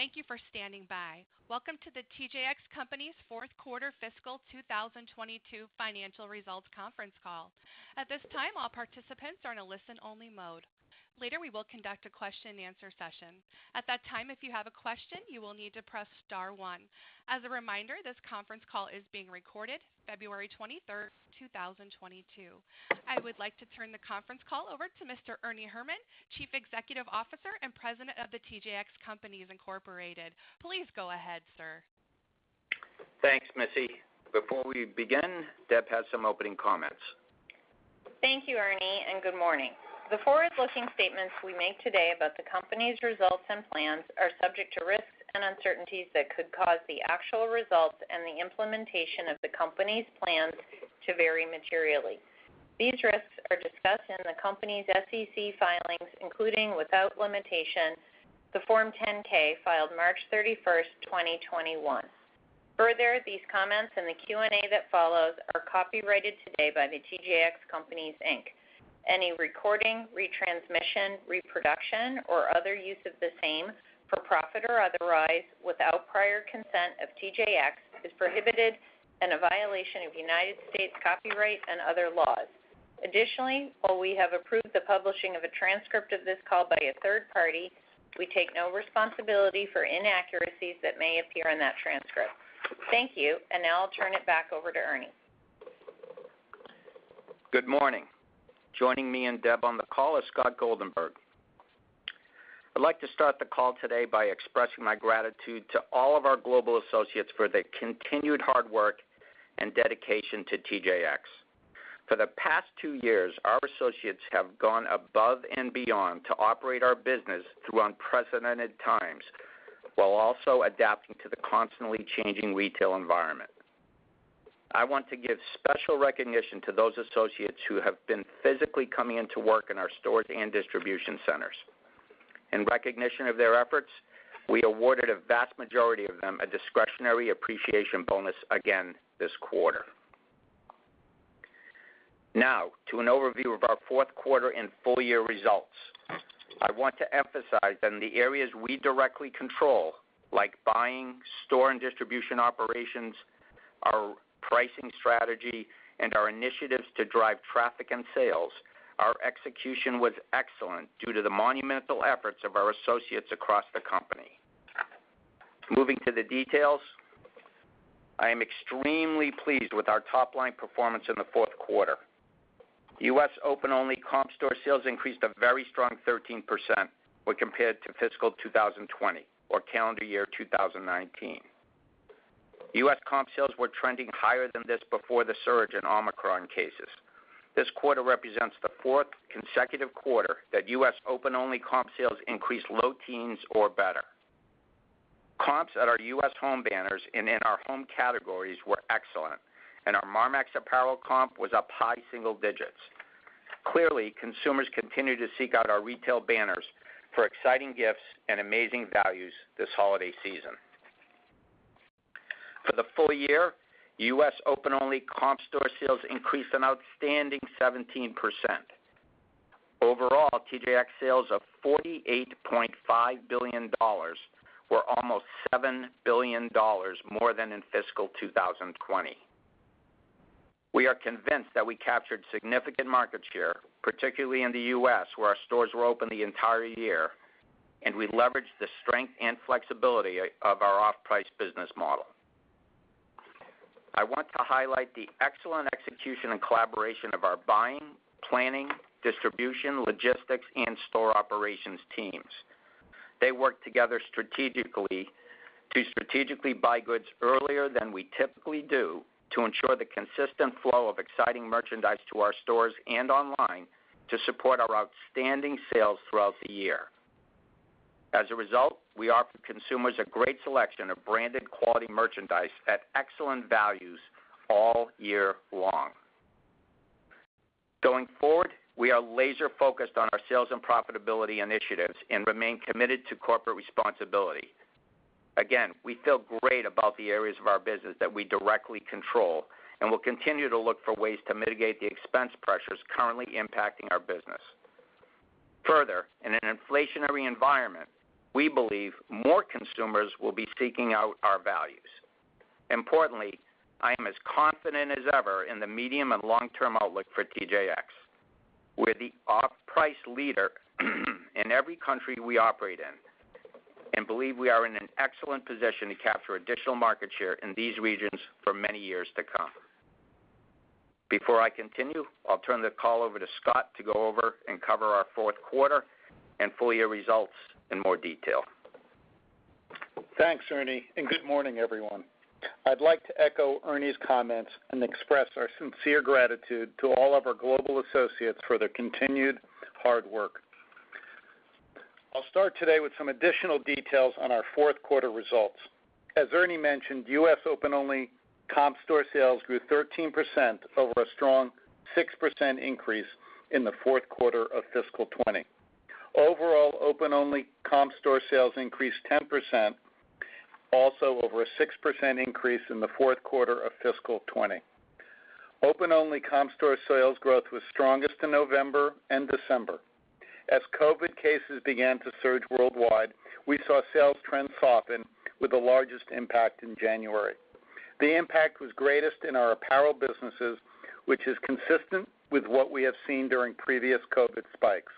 Thank you for standing by. Welcome to the TJX Companies fourth quarter fiscal 2022 financial results conference call. At this time, all participants are in a listen-only mode. Later, we will conduct a question-and-answer session. At that time, if you have a question, you will need to press star one. As a reminder, this conference call is being recorded February 23th, 2022. I would like to turn the conference call over to Mr. Ernie Herrman, Chief Executive Officer and President of the TJX Companies Incorporated. Please go ahead, sir. Thanks, Missy. Before we begin, Deb has some opening comments. Thank you, Ernie, and good morning. The forward-looking statements we make today about the company's results and plans are subject to risks and uncertainties that could cause the actual results and the implementation of the company's plans to vary materially. These risks are discussed in the company's SEC filings, including without limitation, the Form 10-K filed March 31st, 2021. Further, these comments and the Q&A that follows are copyrighted today by the TJX Companies, Inc. Any recording, retransmission, reproduction, or other use of the same, for profit or otherwise, without prior consent of TJX is prohibited and a violation of United States copyright and other laws. Additionally, while we have approved the publishing of a transcript of this call by a third party, we take no responsibility for inaccuracies that may appear in that transcript. Thank you. Now I'll turn it back over to Ernie. Good morning. Joining me and Deb on the call is Scott Goldenberg. I'd like to start the call today by expressing my gratitude to all of our global associates for their continued hard work and dedication to TJX. For the past two years, our associates have gone above and beyond to operate our business through unprecedented times while also adapting to the constantly changing retail environment. I want to give special recognition to those associates who have been physically coming into work in our stores and distribution centers. In recognition of their efforts, we awarded a vast majority of them a discretionary appreciation bonus again this quarter. Now to an overview of our fourth quarter and full year results. I want to emphasize that in the areas we directly control, like buying, store and distribution operations, our pricing strategy, and our initiatives to drive traffic and sales, our execution was excellent due to the monumental efforts of our associates across the company. Moving to the details, I am extremely pleased with our top line performance in the fourth quarter. U.S. open-only comp store sales increased a very strong 13% when compared to fiscal 2020 or calendar year 2019. U.S. comp sales were trending higher than this before the surge in Omicron cases. This quarter represents the fourth consecutive quarter that U.S. open-only comp store sales increased low teens or better. Comps at our U.S. home banners and in our home categories were excellent, and our Marmaxx apparel comp was up high single digits. Clearly, consumers continued to seek out our retail banners for exciting gifts and amazing values this holiday season. For the full year, U.S. open-only comp store sales increased an outstanding 17%. Overall, TJX sales of $48.5 billion were almost $7 billion more than in fiscal 2020. We are convinced that we captured significant market share, particularly in the U.S., where our stores were open the entire year, and we leveraged the strength and flexibility of our off-price business model. I want to highlight the excellent execution and collaboration of our buying, planning, distribution, logistics, and store operations teams. They work together strategically to buy goods earlier than we typically do to ensure the consistent flow of exciting merchandise to our stores and online to support our outstanding sales throughout the year. As a result, we offer consumers a great selection of branded quality merchandise at excellent values all year long. Going forward, we are laser-focused on our sales and profitability initiatives and remain committed to corporate responsibility. Again, we feel great about the areas of our business that we directly control and will continue to look for ways to mitigate the expense pressures currently impacting our business. Further, in an inflationary environment, we believe more consumers will be seeking out our values. Importantly, I am as confident as ever in the medium and long-term outlook for TJX. We're the off-price leader in every country we operate in and believe we are in an excellent position to capture additional market share in these regions for many years to come. Before I continue, I'll turn the call over to Scott to go over and cover our fourth quarter and full year results in more detail. Thanks, Ernie, and good morning, everyone. I'd like to echo Ernie's comments and express our sincere gratitude to all of our global associates for their continued hard work. I'll start today with some additional details on our fourth quarter results. As Ernie mentioned, U.S. open-only comp store sales grew 13% over a strong 6% increase in the fourth quarter of fiscal 2020. Overall, open-only comp store sales increased 10%, also over a 6% increase in the fourth quarter of fiscal 2020. Open-only comp store sales growth was strongest in November and December. As COVID cases began to surge worldwide, we saw sales trends soften with the largest impact in January. The impact was greatest in our apparel businesses, which is consistent with what we have seen during previous COVID spikes.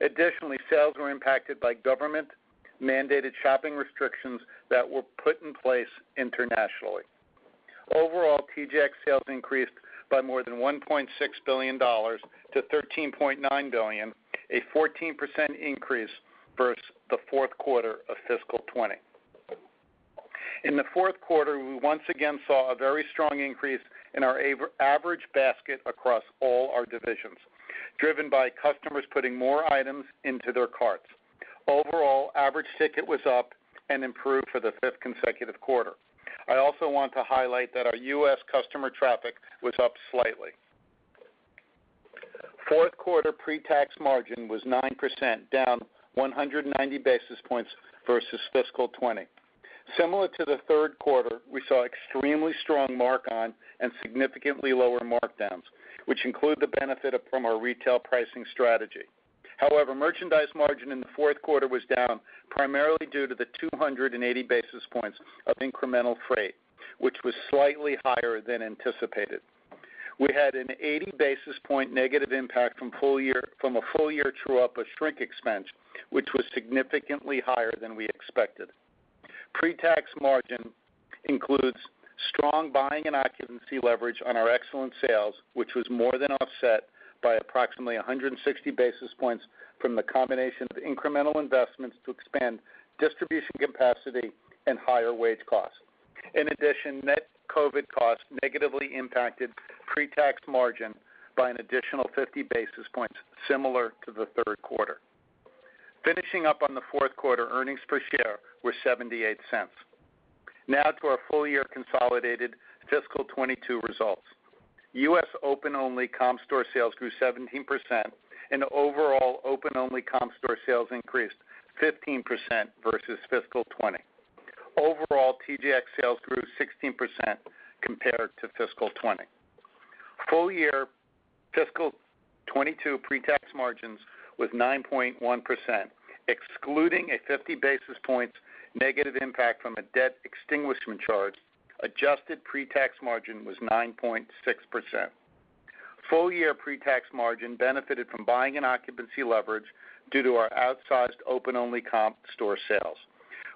Additionally, sales were impacted by government-mandated shopping restrictions that were put in place internationally. Overall, TJX sales increased by more than $1.6 billion-$13.9 billion, a 14% increase versus the fourth quarter of fiscal 2020. In the fourth quarter, we once again saw a very strong increase in our average basket across all our divisions, driven by customers putting more items into their carts. Overall, average ticket was up and improved for the fifth consecutive quarter. I also want to highlight that our U.S. customer traffic was up slightly. Fourth quarter pre-tax margin was 9%, down 190 basis points versus fiscal 2020. Similar to the third quarter, we saw extremely strong markon and significantly lower markdowns, which include the benefit from our retail pricing strategy. However, merchandise margin in the fourth quarter was down, primarily due to the 280 basis points of incremental freight, which was slightly higher than anticipated. We had an 80 basis point negative impact from a full year true-up of shrink expense, which was significantly higher than we expected. Pre-tax margin includes strong buying and occupancy leverage on our excellent sales, which was more than offset by approximately 160 basis points from the combination of incremental investments to expand distribution capacity and higher wage costs. In addition, net COVID costs negatively impacted pre-tax margin by an additional 50 basis points similar to the third quarter. Finishing up on the fourth quarter, earnings per share were $0.78. Now to our full year consolidated fiscal 2022 results. U.S. open-only comp store sales grew 17% and overall open-only comp store sales increased 15% versus fiscal 2020. Overall, TJX sales grew 16% compared to fiscal 2020. Full year fiscal 2022 pre-tax margins was 9.1%. Excluding a 50 basis points negative impact from a debt extinguishment charge, adjusted pre-tax margin was 9.6%. Full year pre-tax margin benefited from buying and occupancy leverage due to our outsized open-only comp store sales.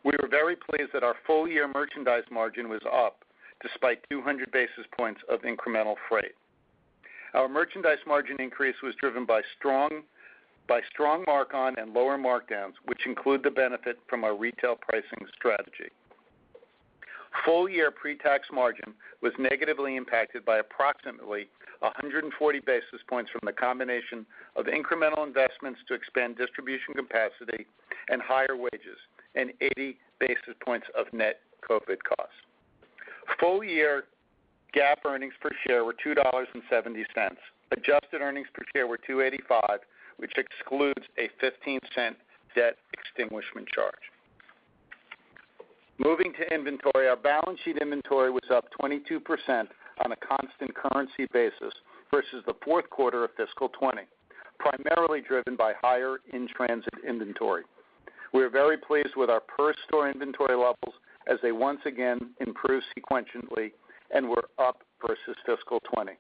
We were very pleased that our full-year merchandise margin was up despite 200 basis points of incremental freight. Our merchandise margin increase was driven by strong markon and lower markdowns, which include the benefit from our retail pricing strategy. Full year pre-tax margin was negatively impacted by approximately 140 basis points from the combination of incremental investments to expand distribution capacity and higher wages, and 80 basis points of net COVID costs. Full year GAAP earnings per share were $2.70. Adjusted earnings per share were $2.85, which excludes a $0.15 debt extinguishment charge. Moving to inventory, our balance sheet inventory was up 22% on a constant currency basis versus the fourth quarter of fiscal 2020, primarily driven by higher in-transit inventory. We are very pleased with our per store inventory levels as they once again improve sequentially and were up versus fiscal 2020.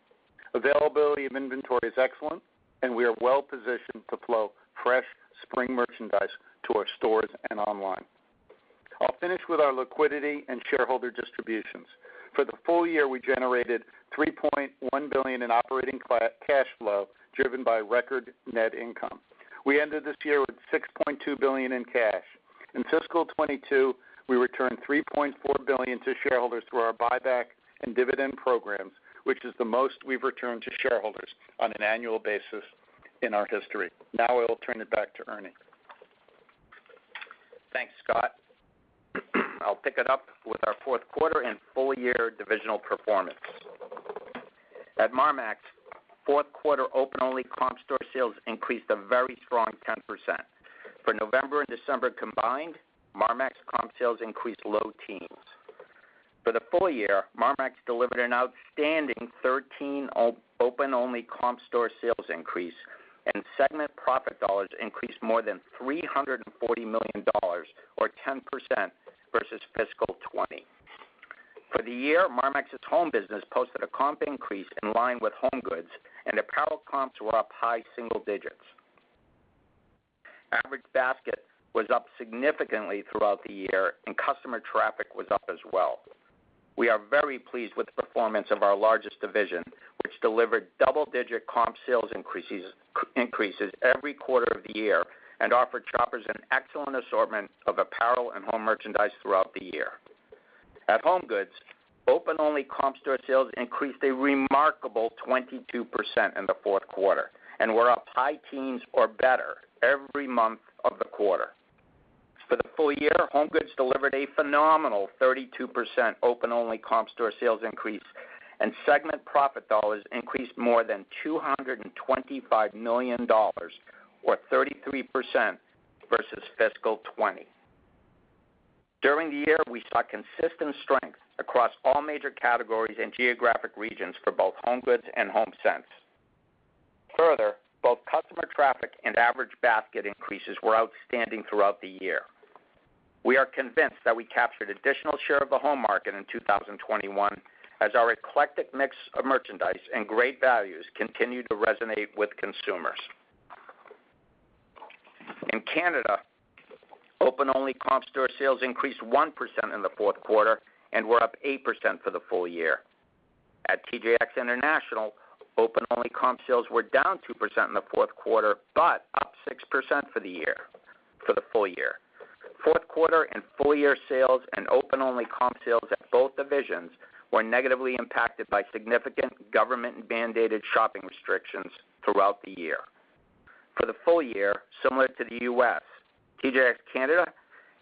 Availability of inventory is excellent, and we are well positioned to flow fresh spring merchandise to our stores and online. I'll finish with our liquidity and shareholder distributions. For the full year, we generated $3.1 billion in operating cash flow driven by record net income. We ended this year with $6.2 billion in cash. In fiscal 2022, we returned $3.4 billion to shareholders through our buyback and dividend programs, which is the most we've returned to shareholders on an annual basis in our history. Now I will turn it back to Ernie. Thanks, Scott. I'll pick it up with our fourth quarter and full year divisional performance. At Marmaxx, fourth quarter open-only comp store sales increased a very strong 10%. For November and December combined, Marmaxx comp sales increased low teens%. For the full year, Marmaxx delivered an outstanding 13 open-only comp store sales increase, and segment profit dollars increased more than $340 million or 10% versus fiscal 2020. For the year, Marmaxx's home business posted a comp increase in line with HomeGoods, and apparel comps were up high single digits. Average basket was up significantly throughout the year, and customer traffic was up as well. We are very pleased with the performance of our largest division, which delivered double-digit comp sales increases every quarter of the year and offered shoppers an excellent assortment of apparel and home merchandise throughout the year. At HomeGoods, open-only comp store sales increased a remarkable 22% in the fourth quarter and were up high teens or better every month of the quarter. For the full year, HomeGoods delivered a phenomenal 32% open-only comp store sales increase, and segment profit dollars increased more than $225 million or 33% versus fiscal 2020. During the year, we saw consistent strength across all major categories and geographic regions for both HomeGoods and HomeSense. Further, both customer traffic and average basket increases were outstanding throughout the year. We are convinced that we captured additional share of the home market in 2021 as our eclectic mix of merchandise and great values continued to resonate with consumers. In Canada, open-only comp store sales increased 1% in the fourth quarter and were up 8% for the full year. At TJX International, open-only comp sales were down 2% in the fourth quarter, but up 6% for the year, for the full year. Fourth quarter and full-year sales and open-only comp sales at both divisions were negatively impacted by significant government-mandated shopping restrictions throughout the year. For the full year, similar to the U.S., TJX Canada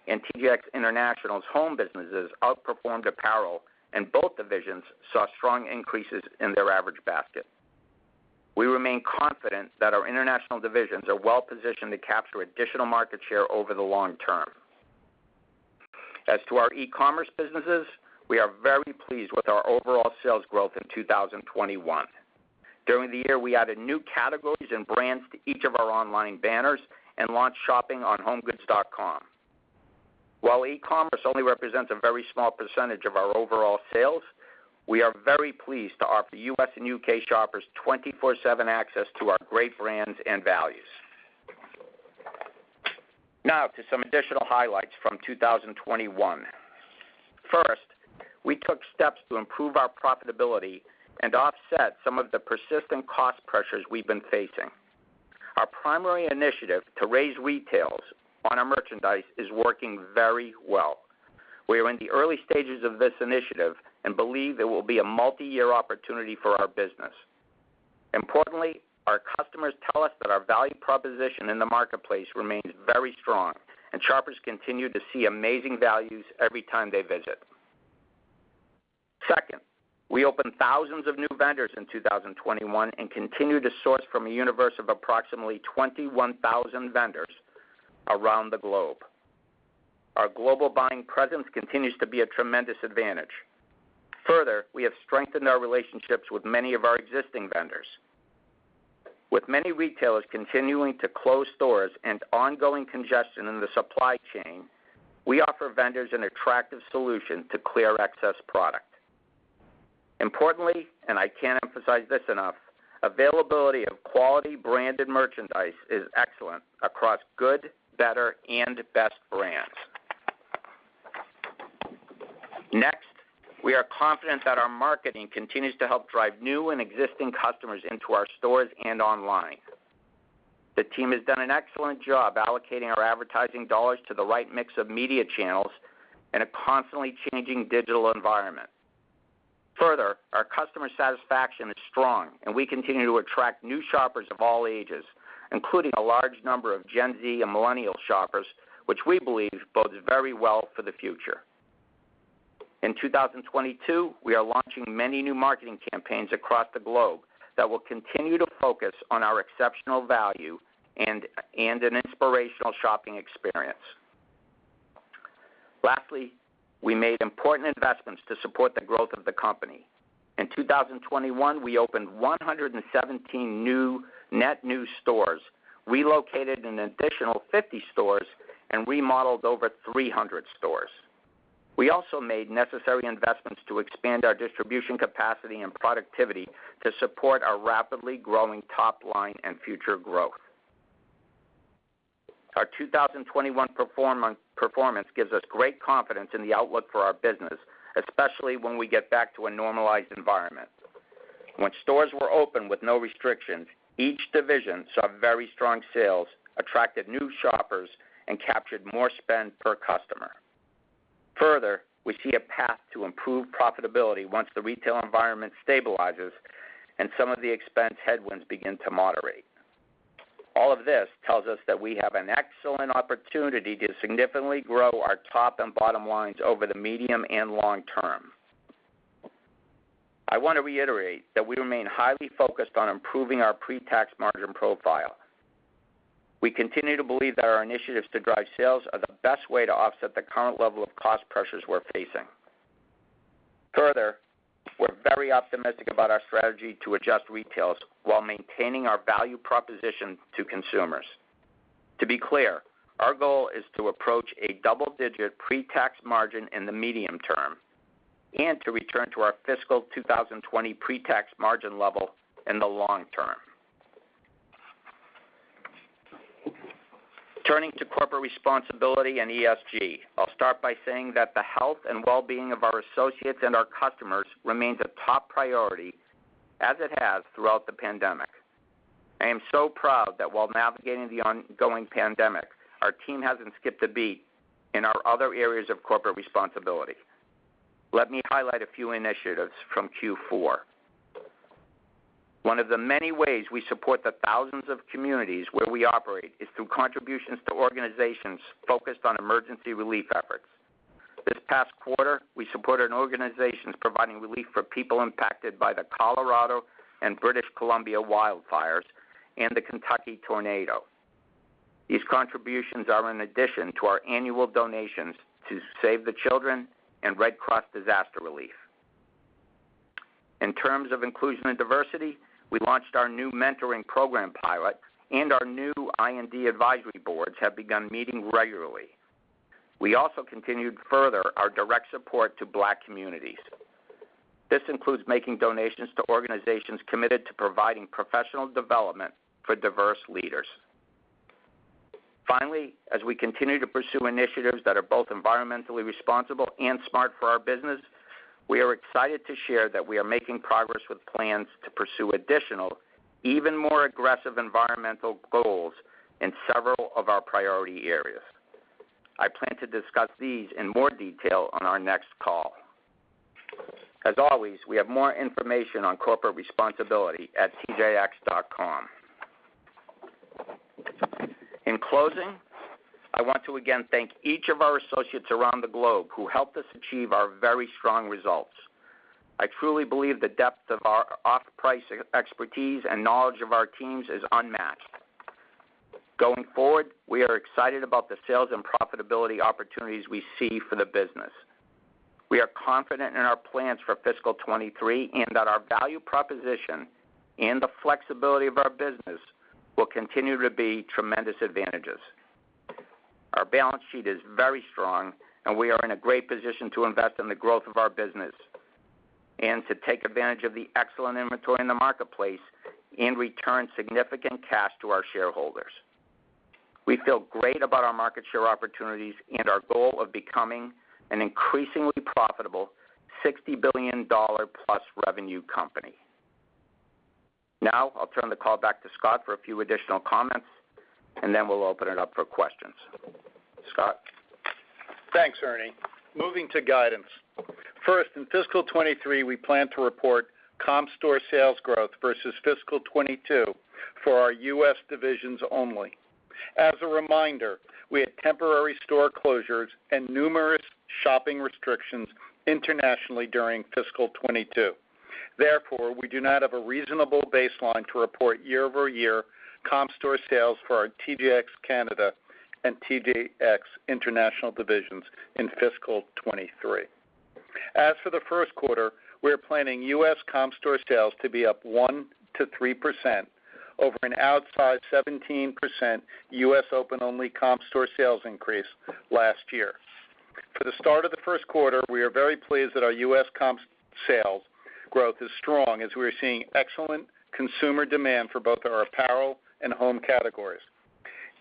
and TJX International's home businesses outperformed apparel, and both divisions saw strong increases in their average basket. We remain confident that our international divisions are well-positioned to capture additional market share over the long term. As to our e-commerce businesses, we are very pleased with our overall sales growth in 2021. During the year, we added new categories and brands to each of our online banners and launched shopping on homegoods.com. While e-commerce only represents a very small percentage of our overall sales, we are very pleased to offer U.S. and U.K. shoppers 24/7 access to our great brands and values. Now to some additional highlights from 2021. First, we took steps to improve our profitability and offset some of the persistent cost pressures we've been facing. Our primary initiative to raise retails on our merchandise is working very well. We are in the early stages of this initiative and believe it will be a multi-year opportunity for our business. Importantly, our customers tell us that our value proposition in the marketplace remains very strong and shoppers continue to see amazing values every time they visit. Second, we opened thousands of new vendors in 2021 and continue to source from a universe of approximately 21,000 vendors around the globe. Our global buying presence continues to be a tremendous advantage. Further, we have strengthened our relationships with many of our existing vendors. With many retailers continuing to close stores and ongoing congestion in the supply chain, we offer vendors an attractive solution to clear excess product. Importantly, and I can't emphasize this enough, availability of quality branded merchandise is excellent across good, better, and best brands. Next, we are confident that our marketing continues to help drive new and existing customers into our stores and online. The team has done an excellent job allocating our advertising dollars to the right mix of media channels in a constantly changing digital environment. Further, our customer satisfaction is strong and we continue to attract new shoppers of all ages, including a large number of Gen Z and millennial shoppers, which we believe bodes very well for the future. In 2022, we are launching many new marketing campaigns across the globe that will continue to focus on our exceptional value and an inspirational shopping experience. Lastly, we made important investments to support the growth of the company. In 2021, we opened 117 net new stores, relocated an additional 50 stores, and remodeled over 300 stores. We also made necessary investments to expand our distribution capacity and productivity to support our rapidly growing top line and future growth. Our 2021 performance gives us great confidence in the outlook for our business, especially when we get back to a normalized environment. When stores were open with no restrictions, each division saw very strong sales, attracted new shoppers, and captured more spend per customer. Further, we see a path to improved profitability once the retail environment stabilizes and some of the expense headwinds begin to moderate. All of this tells us that we have an excellent opportunity to significantly grow our top and bottom lines over the medium and long term. I want to reiterate that we remain highly focused on improving our pre-tax margin profile. We continue to believe that our initiatives to drive sales are the best way to offset the current level of cost pressures we're facing. Further, we're very optimistic about our strategy to adjust retails while maintaining our value proposition to consumers. To be clear, our goal is to approach a double-digit pre-tax margin in the medium term and to return to our fiscal 2020 pre-tax margin level in the long term. Turning to corporate responsibility and ESG, I'll start by saying that the health and well-being of our associates and our customers remains a top priority as it has throughout the pandemic. I am so proud that while navigating the ongoing pandemic, our team hasn't skipped a beat in our other areas of corporate responsibility. Let me highlight a few initiatives from Q4. One of the many ways we support the thousands of communities where we operate is through contributions to organizations focused on emergency relief efforts. This past quarter, we supported organizations providing relief for people impacted by the Colorado and British Columbia wildfires. The Kentucky tornado. These contributions are in addition to our annual donations to Save the Children and Red Cross Disaster Relief. In terms of inclusion and diversity, we launched our new mentoring program pilot and our new I&D advisory boards have begun meeting regularly. We also continued further our direct support to black communities. This includes making donations to organizations committed to providing professional development for diverse leaders. Finally, as we continue to pursue initiatives that are both environmentally responsible and smart for our business, we are excited to share that we are making progress with plans to pursue additional, even more aggressive environmental goals in several of our priority areas. I plan to discuss these in more detail on our next call. As always, we have more information on corporate responsibility at tjx.com. In closing, I want to again thank each of our associates around the globe who helped us achieve our very strong results. I truly believe the depth of our off-price expertise and knowledge of our teams is unmatched. Going forward, we are excited about the sales and profitability opportunities we see for the business. We are confident in our plans for fiscal 2023 and that our value proposition and the flexibility of our business will continue to be tremendous advantages. Our balance sheet is very strong and we are in a great position to invest in the growth of our business and to take advantage of the excellent inventory in the marketplace and return significant cash to our shareholders. We feel great about our market share opportunities and our goal of becoming an increasingly profitable $60 billion+ revenue company. Now I'll turn the call back to Scott for a few additional comments, and then we'll open it up for questions. Scott? Thanks, Ernie. Moving to guidance. First, in fiscal 2023, we plan to report comp store sales growth versus fiscal 2022 for our U.S. divisions only. As a reminder, we had temporary store closures and numerous shopping restrictions internationally during fiscal 2022. Therefore, we do not have a reasonable baseline to report year-over-year comp store sales for our TJX Canada and TJX International divisions in fiscal 2023. As for the first quarter, we are planning U.S. comp store sales to be up 1%-3% over an outsized 17% U.S. open-only comp store sales increase last year. For the start of the first quarter, we are very pleased that our U.S. comp sales growth is strong as we are seeing excellent consumer demand for both our apparel and home categories.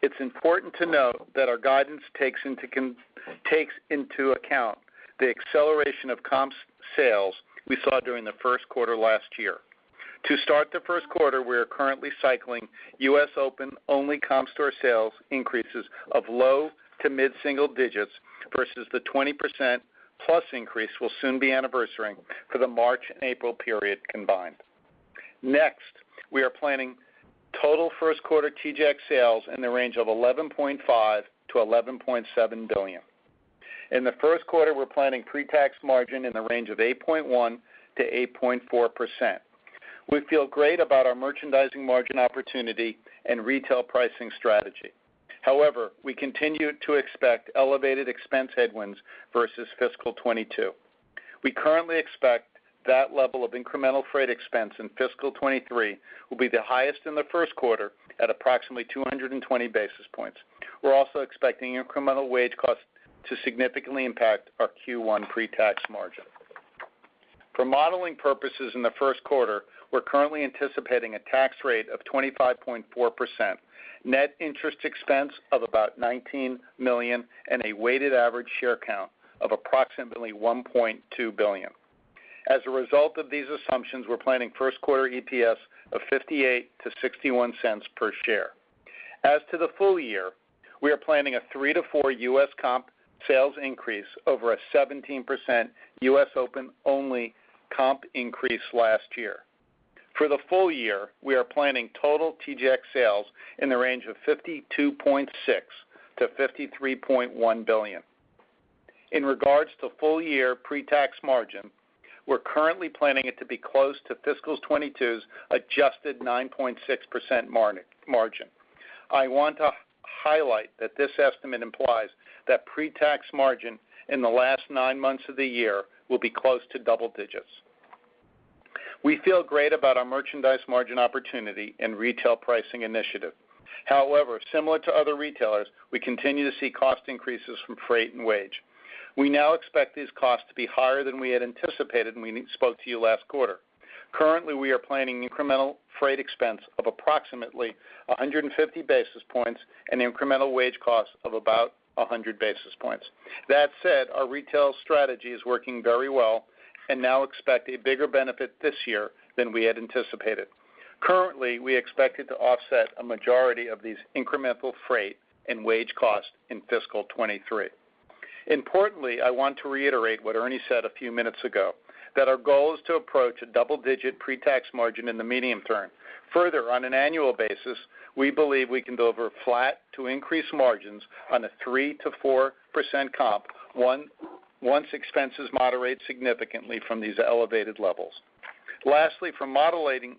It's important to note that our guidance takes into account the acceleration of comp sales we saw during the first quarter last year. To start the first quarter, we are currently cycling U.S. open-only comp store sales increases of low to mid-single digits versus the 20%+ increase we will soon be anniversarying for the March and April period combined. Next, we are planning total first quarter TJX sales in the range of $11.5 billion-$11.7 billion. In the first quarter, we're planning pre-tax margin in the range of 8.1%-8.4%. We feel great about our merchandise margin opportunity and retail pricing strategy. However, we continue to expect elevated expense headwinds versus fiscal 2022. We currently expect that level of incremental freight expense in fiscal 2023 will be the highest in the first quarter at approximately 220 basis points. We're also expecting incremental wage costs to significantly impact our Q1 pre-tax margin. For modeling purposes in the first quarter, we're currently anticipating a tax rate of 25.4%, net interest expense of about $19 million, and a weighted average share count of approximately 1.2 billion. As a result of these assumptions, we're planning first quarter EPS of $0.58-$0.61 per share. As to the full year, we are planning a 3%-4% U.S. comp sales increase over a 17% U.S. open-only comp increase last year. For the full year, we are planning total TJX sales in the range of $52.6 billion-$53.1 billion. In regards to full year pre-tax margin, we're currently planning it to be close to fiscal 2022's adjusted 9.6% margin. I want to highlight that this estimate implies that pre-tax margin in the last nine months of the year will be close to double digits. We feel great about our merchandise margin opportunity and retail pricing initiative. However, similar to other retailers, we continue to see cost increases from freight and wage. We now expect these costs to be higher than we had anticipated when we spoke to you last quarter. Currently, we are planning incremental freight expense of approximately 150 basis points and incremental wage costs of about 100 basis points. That said, our retail strategy is working very well and we now expect a bigger benefit this year than we had anticipated. Currently, we expect to offset a majority of these incremental freight and wage costs in fiscal 2023. Importantly, I want to reiterate what Ernie said a few minutes ago, that our goal is to approach a double-digit pre-tax margin in the medium term. Further, on an annual basis. We believe we can grow flat to increasing margins on a 3%-4% comp once expenses moderate significantly from these elevated levels. Lastly, for modeling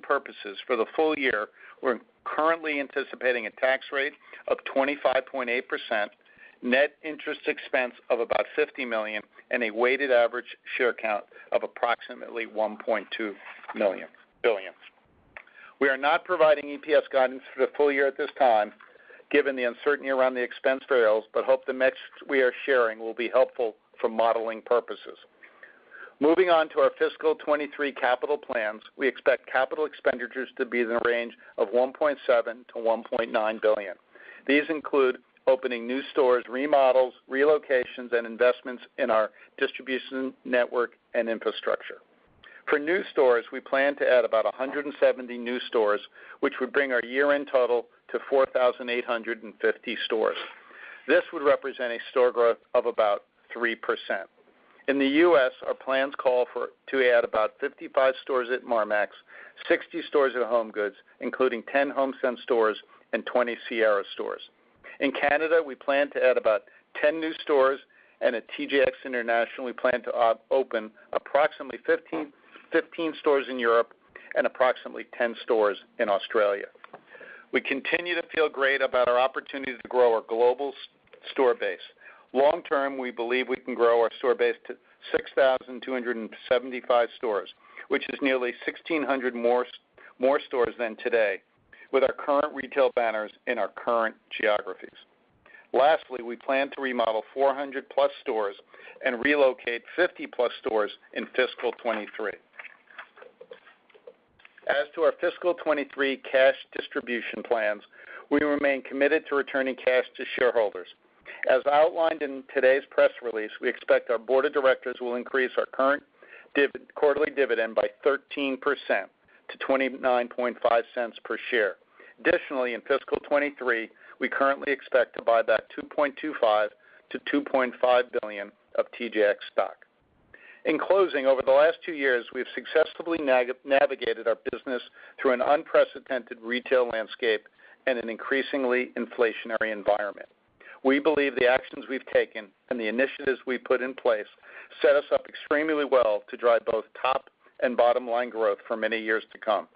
purposes for the full year, we're currently anticipating a tax rate of 25.8%, net interest expense of about $50 million and a weighted average share count of approximately $1.2 billion. We are not providing EPS guidance for the full year at this time, given the uncertainty around the expense variables, but hope the metrics we are sharing will be helpful for modeling purposes. Moving on to our fiscal 2023 capital plans, we expect capital expenditures to be in the range of $1.7 billion-$1.9 billion. These include opening new stores, remodels, relocations, and investments in our distribution network and infrastructure. For new stores, we plan to add about 170 new stores, which would bring our year-end total to 4,850 stores. This would represent a store growth of about 3%. In the U.S., our plans call for to add about 55 stores at Marmaxx, 60 stores at HomeGoods, including 10 HomeSense stores and 20 Sierra stores. In Canada, we plan to add about 10 new stores, and at TJX International, we plan to open approximately 15 stores in Europe and approximately 10 stores in Australia. We continue to feel great about our opportunity to grow our global store base. Long term, we believe we can grow our store base to 6,275 stores, which is nearly 1,600 more stores than today with our current retail banners in our current geographies. Lastly, we plan to remodel 400+ stores and relocate 50+ stores in fiscal 2023. As to our fiscal 2023 cash distribution plans, we remain committed to returning cash to shareholders. As outlined in today's press release, we expect our board of directors will increase our current quarterly dividend by 13% to $0.295 per share. Additionally, in fiscal 2023, we currently expect to buy back $2.25 billion-$2.5 billion of TJX stock. In closing, over the last two years, we have successfully navigated our business through an unprecedented retail landscape and an increasingly inflationary environment. We believe the actions we've taken and the initiatives we put in place set us up extremely well to drive both top and bottom line growth for many years to come.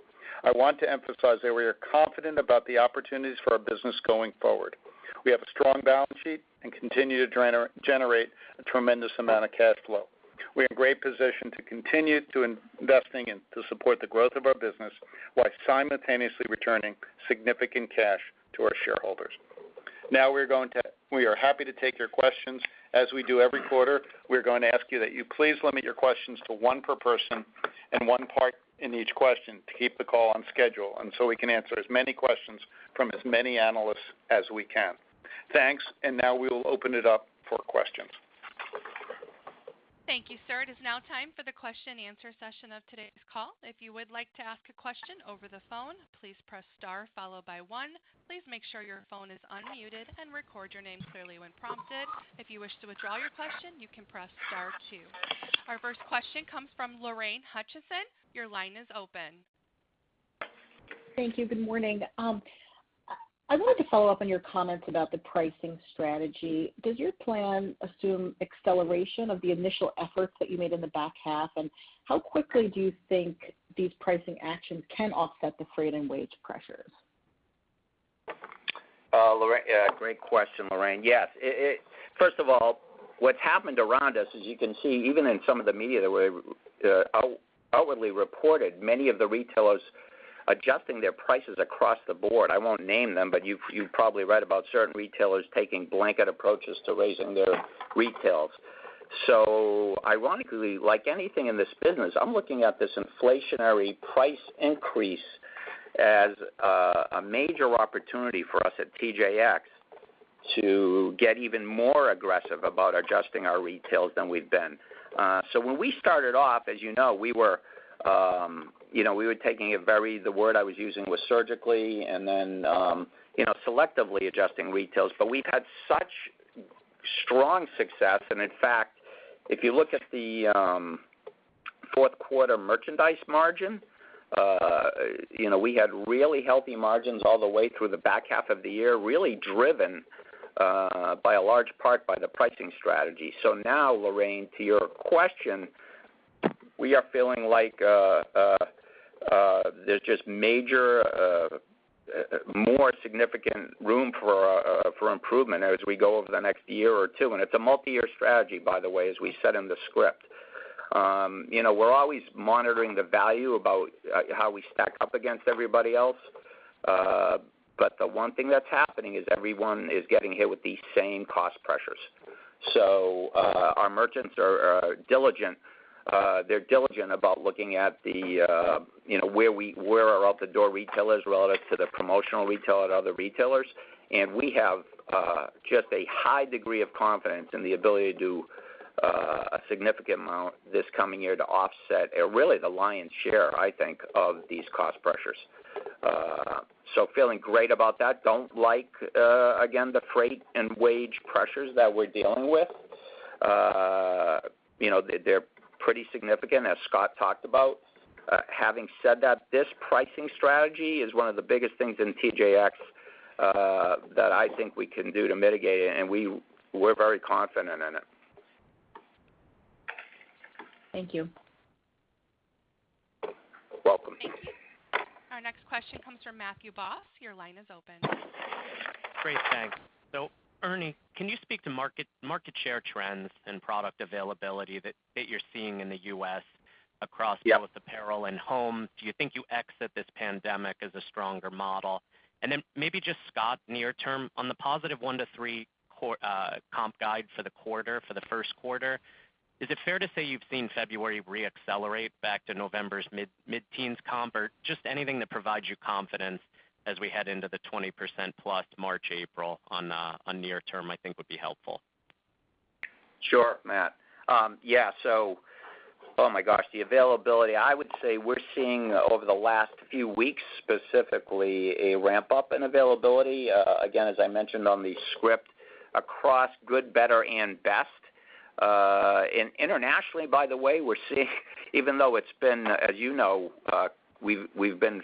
I want to emphasize that we are confident about the opportunities for our business going forward. We have a strong balance sheet and continue to generate a tremendous amount of cash flow. We're in great position to continue to investing and to support the growth of our business while simultaneously returning significant cash to our shareholders. We are happy to take your questions. As we do every quarter, we're going to ask you that you please limit your questions to one per person and one part in each question to keep the call on schedule, and so we can answer as many questions from as many analysts as we can. Thanks. Now we will open it up for questions. Thank you, sir. It is now time for the question and answer session of today's call. If you would like to ask a question over the phone, please press star followed by one. Please make sure your phone is unmuted and record your name clearly when prompted. If you wish to withdraw your question, you can press star two. Our first question comes from Lorraine Hutchinson. Your line is open. Thank you. Good morning. I wanted to follow up on your comments about the pricing strategy. Does your plan assume acceleration of the initial efforts that you made in the back half? How quickly do you think these pricing actions can offset the freight and wage pressures? Yeah, great question, Lorraine. Yes. First of all, what's happened around us, as you can see, even in some of the media that we outwardly reported, many of the retailers adjusting their prices across the board. I won't name them, but you've probably read about certain retailers taking blanket approaches to raising their retails. Ironically, like anything in this business, I'm looking at this inflationary price increase as a major opportunity for us at TJX to get even more aggressive about adjusting our retails than we've been. When we started off, as you know, we were taking a very, the word I was using was surgically and then, you know, selectively adjusting retails. We've had such strong success and in fact, if you look at the fourth quarter merchandise margin, you know, we had really healthy margins all the way through the back half of the year, really driven by a large part by the pricing strategy. Now, Lorraine, to your question, we are feeling like there's just major more significant room for improvement as we go over the next year or two. It's a multiyear strategy, by the way, as we said in the script. You know, we're always monitoring the value about how we stack up against everybody else. The one thing that's happening is everyone is getting hit with these same cost pressures. Our merchants are diligent. They're diligent about looking at the, you know, where our out the door retail is relative to the promotional retail at other retailers. We have just a high degree of confidence in the ability to do a significant amount this coming year to offset a really the lion's share, I think, of these cost pressures. Feeling great about that. Don't like, again, the freight and wage pressures that we're dealing with. You know, they're pretty significant, as Scott talked about. Having said that, this pricing strategy is one of the biggest things in TJX that I think we can do to mitigate it, and we're very confident in it. Thank you. You're welcome. Our next question comes from Matthew Boss. Your line is open. Great, thanks. Ernie, can you speak to market share trends and product availability that you're seeing in the U.S. across- Yeah. Both apparel and home? Do you think you exit this pandemic as a stronger model? Then maybe just Scott, near term, on the positive 1-3 comp guide for the quarter, for the first quarter, is it fair to say you've seen February reaccelerate back to November's mid-teens comp? Or just anything that provides you confidence as we head into the 20%+ March/April on near term, I think would be helpful. Sure, Matt. Yeah, so, oh my gosh, the availability, I would say we're seeing over the last few weeks, specifically a ramp up in availability, again, as I mentioned on the script, across good, better and best. And internationally, by the way, we're seeing even though it's been, as you know, we've been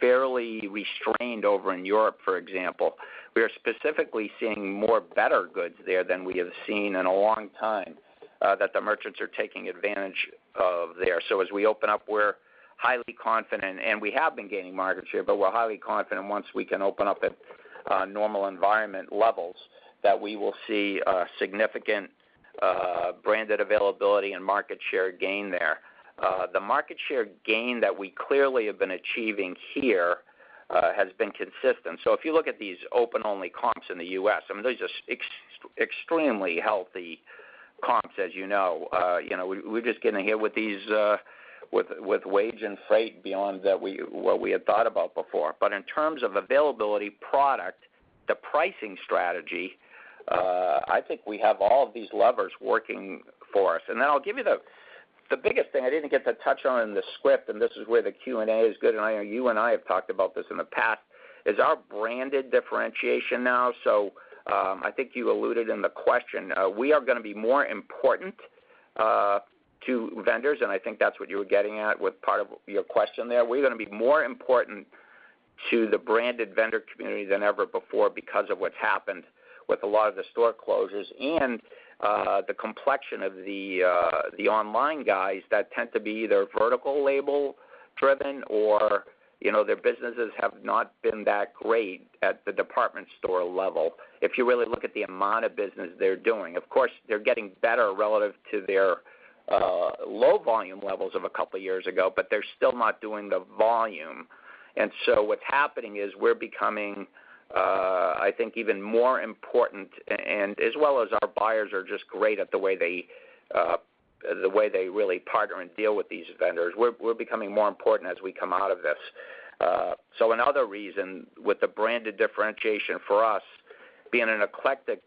fairly restrained over in Europe, for example, we are specifically seeing more better goods there than we have seen in a long time, that the merchants are taking advantage of there. So as we open up, we're highly confident, and we have been gaining market share, but we're highly confident once we can open up at normal environment levels, that we will see significant branded availability and market share gain there. The market share gain that we clearly have been achieving here has been consistent. If you look at these open only comps in the U.S., I mean, these are extremely healthy comps as you know. You know, we're just getting hit with these with wage and freight beyond that what we had thought about before. In terms of availability product, the pricing strategy, I think we have all of these levers working for us. I'll give you the biggest thing I didn't get to touch on in the script, and this is where the Q&A is good, and I know you and I have talked about this in the past, is our branded differentiation now. I think you alluded in the question, we are gonna be more important to vendors, and I think that's what you were getting at with part of your question there. We're gonna be more important to the branded vendor community than ever before because of what's happened with a lot of the store closures and the complexion of the online guys that tend to be either vertical label driven or, you know, their businesses have not been that great at the department store level, if you really look at the amount of business they're doing. Of course, they're getting better relative to their low volume levels of a couple years ago, but they're still not doing the volume. What's happening is we're becoming, I think even more important and as well as our buyers are just great at the way they really partner and deal with these vendors. We're becoming more important as we come out of this. Another reason with the branded differentiation for us, being an eclectic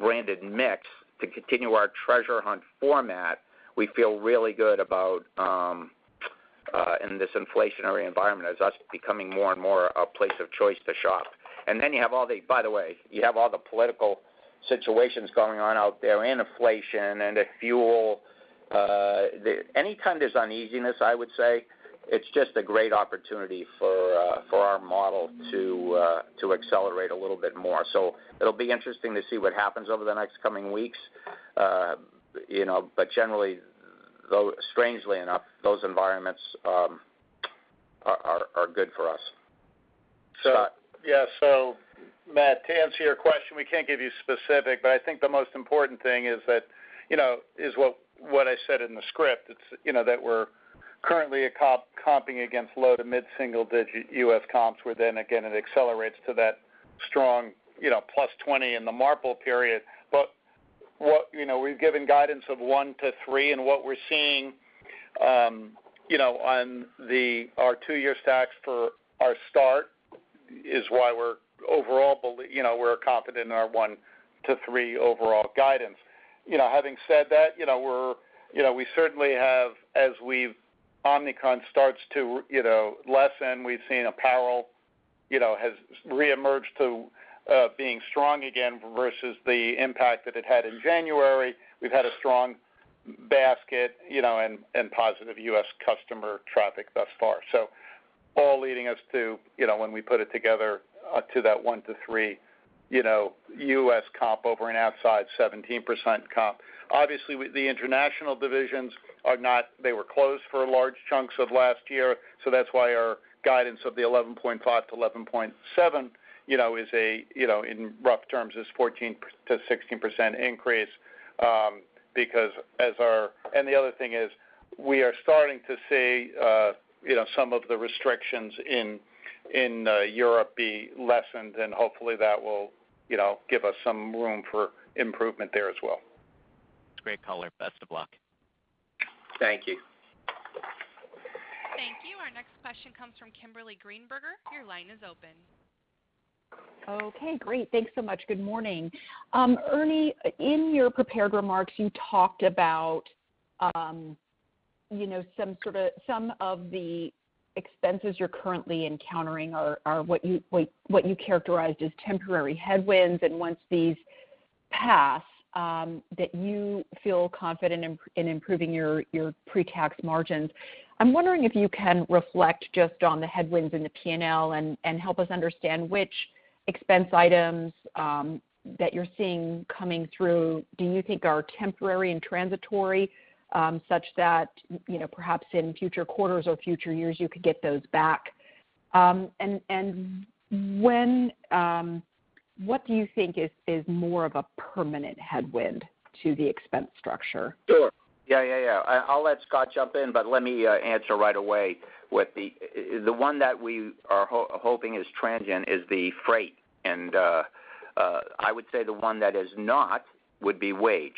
branded mix to continue our treasure hunt format, we feel really good about in this inflationary environment as us becoming more and more a place of choice to shop. Then you have all the, by the way, you have all the political situations going on out there and inflation and the fuel. Any time there's uneasiness, I would say, it's just a great opportunity for our model to accelerate a little bit more. It'll be interesting to see what happens over the next coming weeks. You know, but generally, strangely enough, those environments are good for us. Scott? Yeah. Matt, to answer your question, we can't give you specifics, but I think the most important thing is that, you know, is what I said in the script. It's, you know, that we're currently comping against low to mid single-digit U.S. comps, where then again, it accelerates to that strong, you know, +20% in the March/April period. What, you know, we've given guidance of 1%-3%, and what we're seeing, you know, on our two-year stacks for our stores is why we're overall, you know, confident in our 1%-3% overall guidance. You know, having said that, you know, we certainly have, as Omicron starts to, you know, lessen, we've seen apparel, you know, has reemerged as being strong again versus the impact that it had in January. We've had a strong basket, you know, and positive U.S. customer traffic thus far. All leading us to, you know, when we put it together, to that 1%-3%, you know, U.S. comp over an outsized 17% comp. Obviously, the international divisions are not. They were closed for large chunks of last year, so that's why our guidance of the 11.5%-11.7%, you know, is a, you know, in rough terms is 14%-16% increase, because as our. The other thing is, we are starting to see, you know, some of the restrictions in Europe be lessened, and hopefully that will, you know, give us some room for improvement there as well. Great color. Best of luck. Thank you. Thank you. Our next question comes from Kimberly Greenberger. Your line is open. Okay, great. Thanks so much. Good morning. Ernie, in your prepared remarks, you talked about, You know, some of the expenses you're currently encountering are what you characterized as temporary headwinds. Once these pass, you feel confident in improving your pre-tax margins. I'm wondering if you can reflect just on the headwinds in the P&L and help us understand which expense items that you're seeing coming through do you think are temporary and transitory, such that, you know, perhaps in future quarters or future years, you could get those back. What do you think is more of a permanent headwind to the expense structure? Sure. Yeah. I'll let Scott jump in, but let me answer right away with the one that we are hoping is transient is the freight. I would say the one that is not would be wage.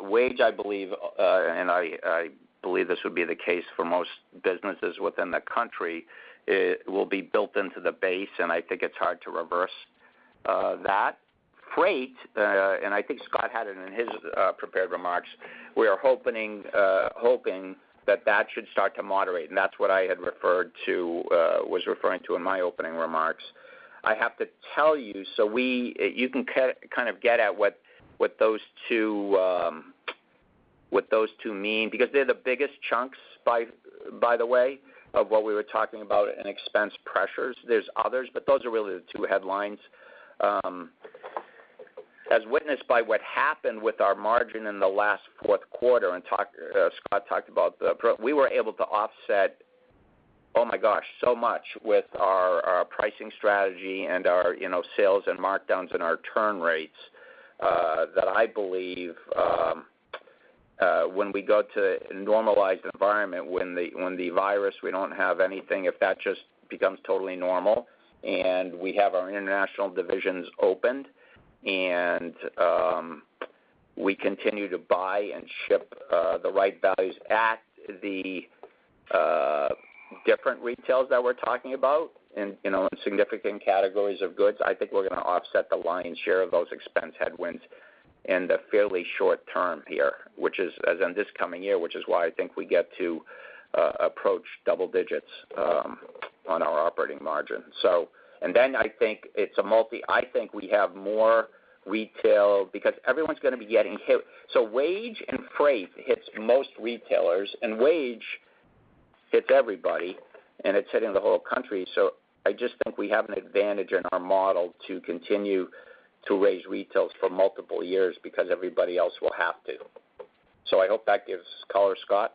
Wage, I believe, and I believe this would be the case for most businesses within the country, it will be built into the base, and I think it's hard to reverse that. Freight, and I think Scott had it in his prepared remarks, we are hoping that that should start to moderate. That's what I was referring to in my opening remarks. I have to tell you, so we, you can kind of get at what those two mean because they're the biggest chunks by the way, of what we were talking about in expense pressures. There's others, but those are really the two headlines. As witnessed by what happened with our margin in the last fourth quarter and Scott talked about the pro... We were able to offset so much with our pricing strategy and our, you know, sales and markdowns and our turn rates, that I believe, when we go to a normalized environment, when the virus, we don't have anything, if that just becomes totally normal and we have our international divisions opened and, we continue to buy and ship, the right values at the, different retails that we're talking about and, you know, in significant categories of goods, I think we're gonna offset the lion's share of those expense headwinds in the fairly short term here, which is as in this coming year, which is why I think we get to, approach double digits, on our operating margin. Then I think it's a multi. I think we have more retail because everyone's gonna be getting hit. Wage and freight hits most retailers, and wage hits everybody, and it's hitting the whole country. I just think we have an advantage in our model to continue to raise retails for multiple years because everybody else will have to. I hope that gives color. Scott?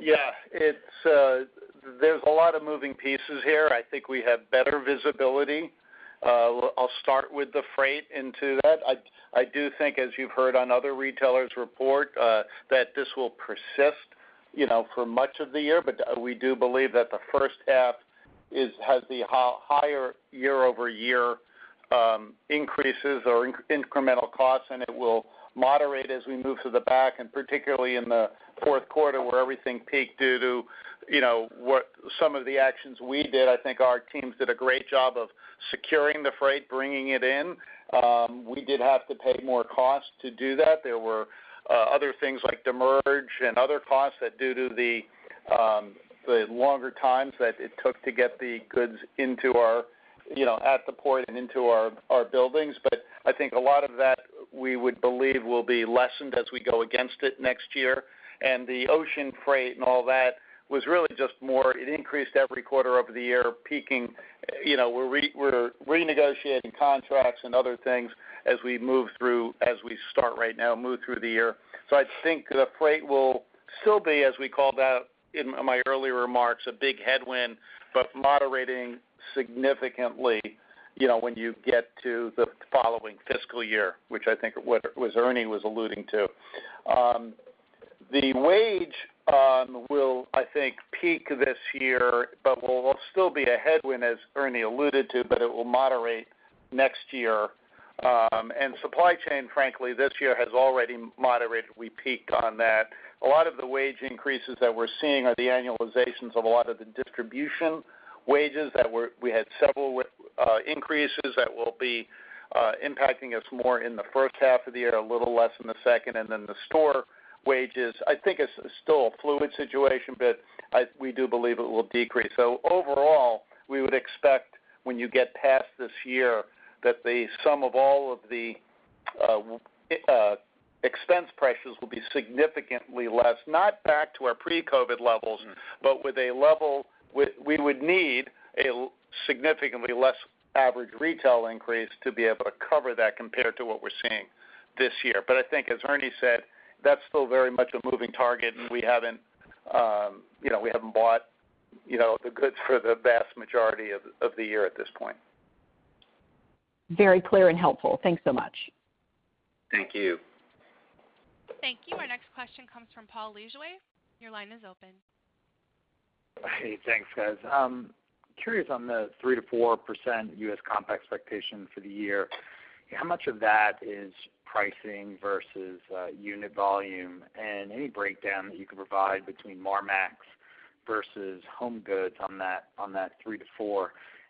Yeah. It's, there's a lot of moving pieces here. I think we have better visibility. I'll start with the freight into that. I do think, as you've heard on other retailers reports, that this will persist, you know, for much of the year, but we do believe that the first half has the higher year-over-year increases or incremental costs, and it will moderate as we move to the back, and particularly in the fourth quarter where everything peaked due to, you know, what some of the actions we did. I think our teams did a great job of securing the freight, bringing it in. We did have to pay more costs to do that. There were other things like demurrage and other costs that due to the longer times that it took to get the goods into our, you know, at the port and into our buildings. I think a lot of that, we would believe will be lessened as we go against it next year. The ocean freight and all that was really just more, it increased every quarter over the year, peaking. You know, we're renegotiating contracts and other things as we move through the year. I think the freight will still be, as we called out in my earlier remarks, a big headwind, but moderating significantly, you know, when you get to the following fiscal year, which I think what Ernie was alluding to. The wage will, I think, peak this year, but will still be a headwind, as Ernie alluded to, but it will moderate next year. Supply chain, frankly, this year has already moderated. We peaked on that. A lot of the wage increases that we're seeing are the annualizations of a lot of the distribution wages we had several increases that will be impacting us more in the first half of the year, a little less in the second. Then the store wages, I think it's still a fluid situation, but we do believe it will decrease. Overall, we would expect when you get past this year that the sum of all of the expense pressures will be significantly less, not back to our pre-COVID levels, but with a level, we would need a significantly less average retail increase to be able to cover that compared to what we're seeing this year. I think as Ernie said, that's still very much a moving target, and we haven't bought, you know, the goods for the vast majority of the year at this point. Very clear and helpful. Thanks so much. Thank you. Thank you. Our next question comes from Paul Lejuez. Your line is open. Hey, thanks, guys. I'm curious on the 3%-4% U.S. comp expectation for the year, how much of that is pricing versus unit volume? And any breakdown that you can provide between Marmaxx versus HomeGoods on that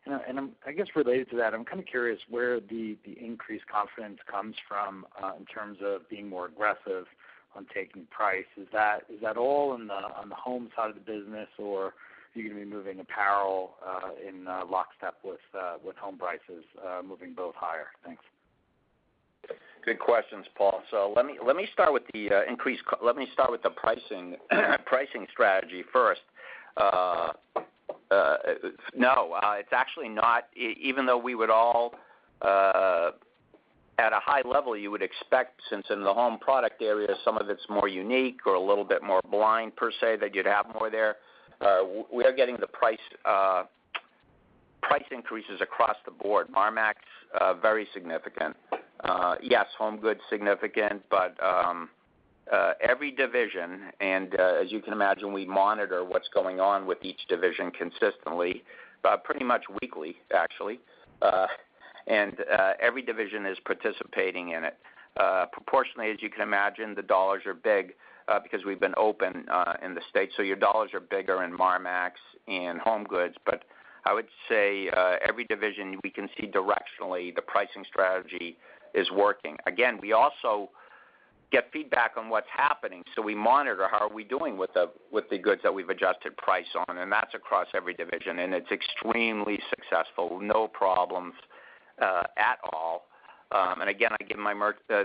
3%-4%. I'm kind of curious where the increased confidence comes from in terms of being more aggressive on taking price. Is that all on the home side of the business, or are you gonna be moving apparel in lockstep with home prices moving both higher? Thanks. Good questions, Paul. Let me start with the pricing strategy first. No, it's actually not even though we would all at a high level, you would expect since in the home product area, some of it's more unique or a little bit more branded per se, that you'd have more there. We are getting the price increases across the board. Marmaxx, very significant. Yes, HomeGoods, significant, but every division, and as you can imagine, we monitor what's going on with each division consistently, pretty much weekly, actually. Every division is participating in it. Proportionally, as you can imagine, the dollars are big, because we've been open in the States, so your dollars are bigger in Marmaxx, in HomeGoods. I would say every division we can see directionally the pricing strategy is working. Again, we also get feedback on what's happening, so we monitor how are we doing with the goods that we've adjusted price on, and that's across every division. It's extremely successful, no problems at all. Again, I give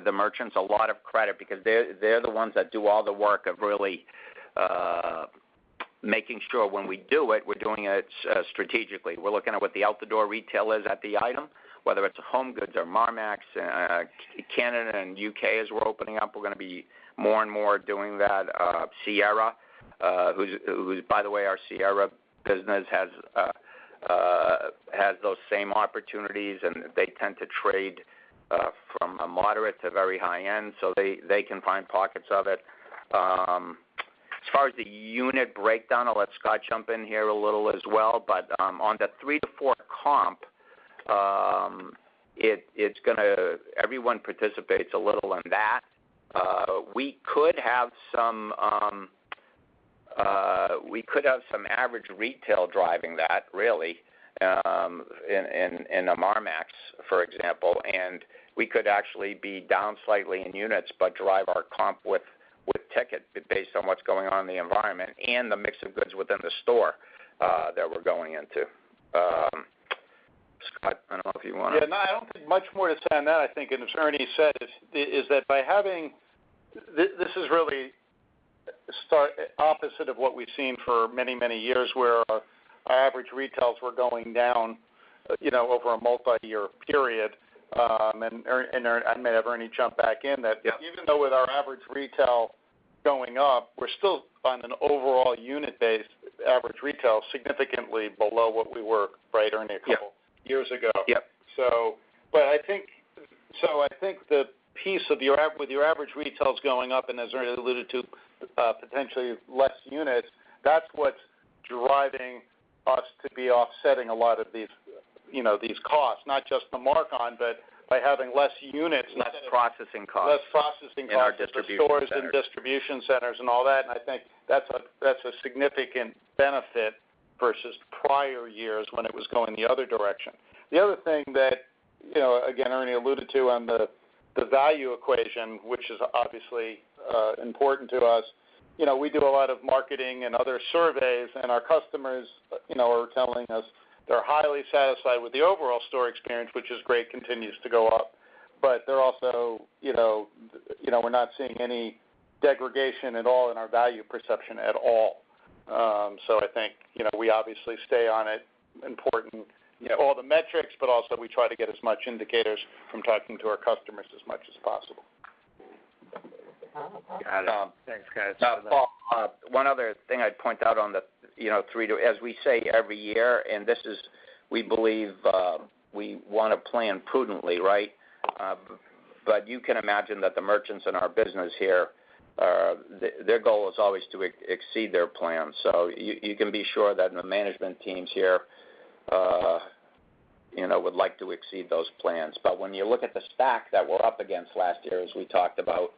the merchants a lot of credit because they're the ones that do all the work of really making sure when we do it, we're doing it strategically. We're looking at what the out-the-door retail is at the item, whether it's a HomeGoods or Marmaxx. Canada and U.K., as we're opening up, we're gonna be more and more doing that. Sierra. By the way, our Sierra business has those same opportunities, and they tend to trade from a moderate to very high end, so they can find pockets of it. As far as the unit breakdown, I'll let Scott jump in here a little as well. On the three, four comp, everyone participates a little in that. We could have some average retail driving that really in a Marmaxx, for example. We could actually be down slightly in units, but drive our comp with ticket based on what's going on in the environment and the mix of goods within the store that we're going into. Scott, I don't know if you wanna- Yeah, no, I don't think much more to add than that. I think as Ernie said is that by having this is really stark opposite of what we've seen for many, many years, where our average retails were going down, you know, over a multiyear period. I may have Ernie jump back in that- Yeah. Even though with our average retail going up, we're still on an overall unit-based average retail significantly below what we were, right, Ernie, a couple- Yeah. Years ago. Yep. I think the piece of your average retails going up, and as Ernie alluded to, potentially less units, that's what's driving us to be offsetting a lot of these, you know, these costs, not just the markon, but by having less units instead of. Less processing costs. Less processing costs. In our distribution centers. For stores and distribution centers and all that. I think that's a significant benefit versus prior years when it was going the other direction. The other thing that, you know, again, Ernie alluded to on the value equation, which is obviously important to us. You know, we do a lot of marketing and other surveys, and our customers, you know, are telling us they're highly satisfied with the overall store experience, which is great, continues to go up. They're also, you know, we're not seeing any degradation at all in our value perception at all. I think, you know, we obviously stay on it, important, you know, all the metrics, but also we try to get as much indicators from talking to our customers as much as possible. Got it. Thanks, guys. Paul, one other thing I'd point out. As we say every year, and this is, we believe, we wanna plan prudently, right? You can imagine that the merchants in our business here, their goal is always to exceed their plans. You can be sure that the management teams here, you know, would like to exceed those plans. When you look at the stack that we're up against last year, as we talked about,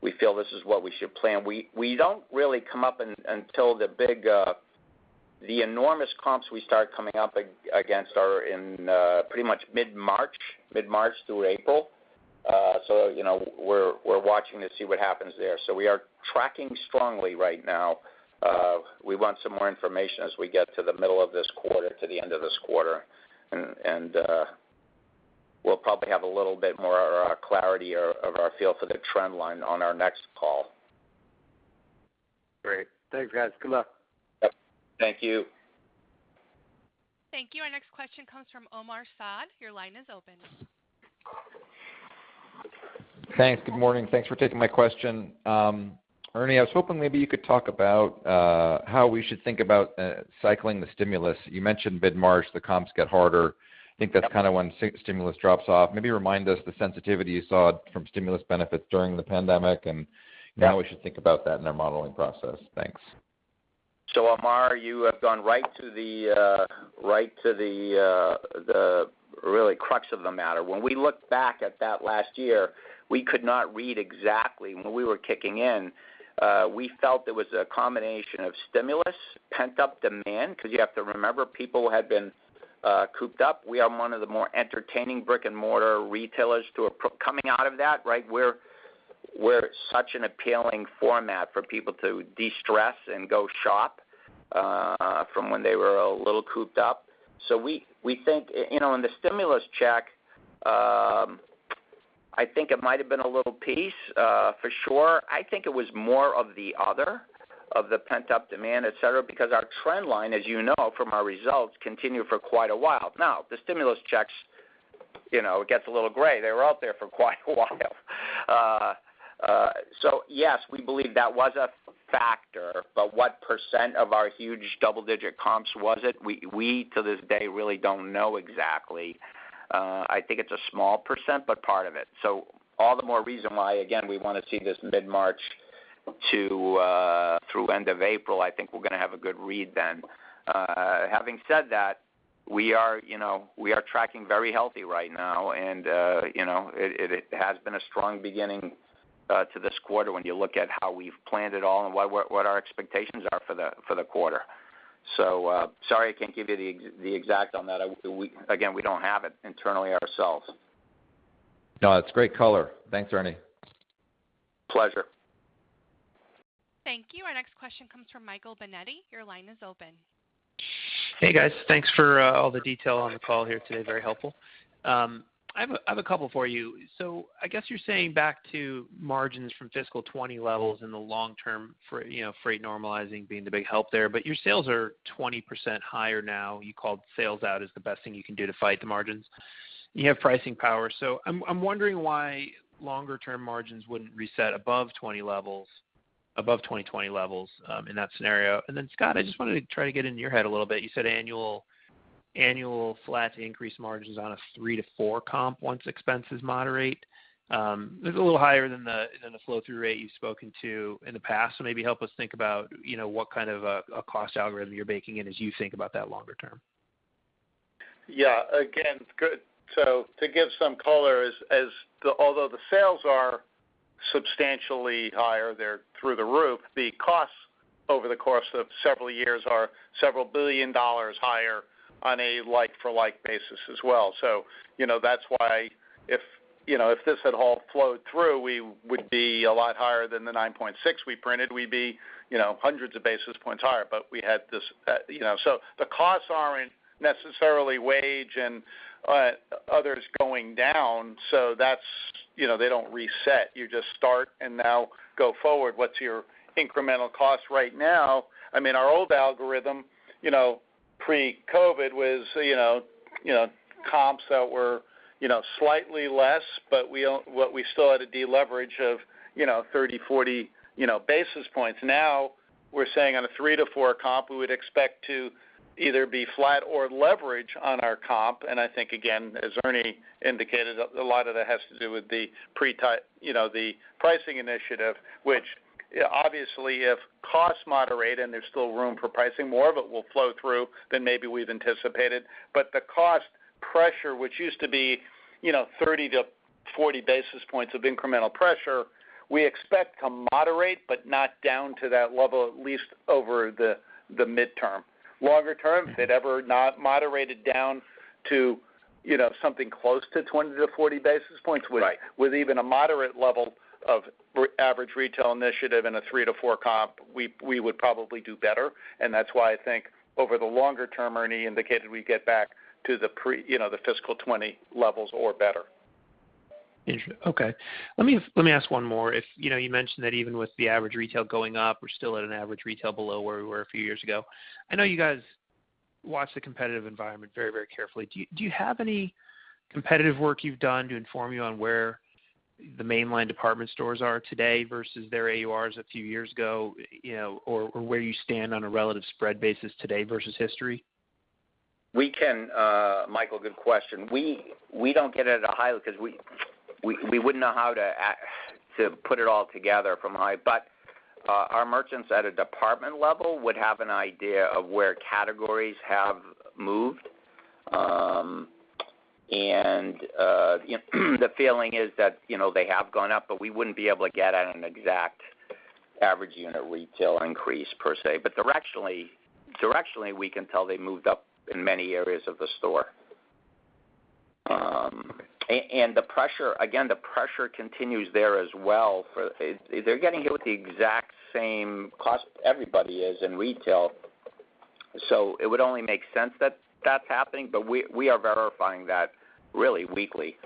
we feel this is what we should plan. We don't really come up until the big, the enormous comps we start coming up against are in, pretty much mid-March through April. You know, we're watching to see what happens there. We are tracking strongly right now. We want some more information as we get to the middle of this quarter to the end of this quarter. We'll probably have a little bit more clarity or of our feel for the trend line on our next call. Great. Thanks, guys. Good luck. Yep. Thank you. Thank you. Our next question comes from Omar Saad. Your line is open. Thanks. Good morning. Thanks for taking my question. Ernie, I was hoping maybe you could talk about how we should think about cycling the stimulus. You mentioned mid-March, the comps get harder. I think that's kind of when stimulus drops off. Maybe remind us the sensitivity you saw from stimulus benefits during the pandemic and Yeah How we should think about that in our modeling process. Thanks. Omar, you have gone right to the crux of the matter. When we look back at that last year, we could not read exactly when we were kicking in. We felt it was a combination of stimulus, pent-up demand because you have to remember, people had been cooped up. We are one of the more entertaining brick-and-mortar retailers coming out of that, right? We're such an appealing format for people to de-stress and go shop from when they were a little cooped up. We think, you know, and the stimulus check, I think it might have been a little piece for sure. I think it was more of the other, of the pent-up demand, et cetera, because our trend line, as you know from our results, continued for quite a while. Now, the stimulus checks, you know, it gets a little gray. They were out there for quite a while. Yes, we believe that was a factor. What percent of our huge double-digit comps was it? We to this day really don't know exactly. I think it's a small percent, but part of it. All the more reason why, again, we wanna see this mid-March through end of April. I think we're gonna have a good read then. Having said that, we are, you know, we are tracking very healthy right now. You know, it has been a strong beginning to this quarter when you look at how we've planned it all and what our expectations are for the quarter. Sorry I can't give you the exact on that. Again, we don't have it internally ourselves. No, that's great color. Thanks, Ernie. Pleasure. Thank you. Our next question comes from Michael Binetti. Your line is open. Hey, guys. Thanks for all the detail on the call here today. Very helpful. I have a couple for you. I guess you're saying back to margins from fiscal 2020 levels in the long term for, you know, freight normalizing being the big help there, but your sales are 20% higher now. You called sales out as the best thing you can do to fight the margins. You have pricing power. I'm wondering why longer term margins wouldn't reset above 2020 levels, above 2020 levels, in that scenario. Then, Scott, I just wanted to try to get in your head a little bit. You said annual flat to increased margins on a three, four comp once expenses moderate. That's a little higher than the flow through rate you've spoken to in the past. Maybe help us think about, you know, what kind of a cost algorithm you're baking in as you think about that longer term. Yeah. Again, good. To give some color. Although the sales are substantially higher, they're through the roof, the costs over the course of several years are several billion higher on a like for like basis as well. You know, that's why if this had all flowed through, we would be a lot higher than the 9.6% we printed. We'd be, you know, hundreds of basis points higher, but we had this, you know. The costs aren't necessarily wage and others going down. That's. You know, they don't reset. You just start and now go forward. What's your incremental cost right now? I mean, our old algorithm, you know, pre-COVID was, you know, comps that were, you know, slightly less, but what we still had a deleverage of, you know, 30-40 basis points. Now we're saying on a 3%-4% comp, we would expect to either be flat or leverage on our comp. I think, again, as Ernie indicated, a lot of that has to do with you know the pricing initiative, which, obviously, if costs moderate and there's still room for pricing, more of it will flow through than maybe we've anticipated. But the cost pressure, which used to be, you know, 30-40 basis points of incremental pressure, we expect to moderate, but not down to that level, at least over the midterm. Longer term, if it ever not moderated down to, you know, something close to 20-40 basis points. Right with even a moderate level of average retail initiative and a three, four Comp, we would probably do better. That's why I think over the longer term, Ernie indicated we get back to the pre, you know, the fiscal 2020 levels or better. Okay. Let me ask one more. If, you know, you mentioned that even with the average retail going up, we're still at an average retail below where we were a few years ago. I know you guys watch the competitive environment very, very carefully. Do you have any competitive work you've done to inform you on where the mainline department stores are today versus their AURs a few years ago, you know, or where you stand on a relative spread basis today versus history? We can, Michael, good question. We don't get it at a high level because we wouldn't know how to put it all together from high. Our merchants at a department level would have an idea of where categories have moved. You know, the feeling is that, you know, they have gone up, but we wouldn't be able to get at an exact average unit retail increase per se. Directionally, we can tell they moved up in many areas of the store. The pressure, again, the pressure continues there as well. They're getting hit with the exact same cost everybody is in retail, so it would only make sense that that's happening. We are verifying that really weekly,